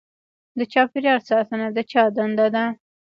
د چاپیریال ساتنه د چا دنده ده؟